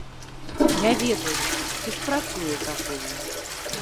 Не ведаю, ці спрацуе такое.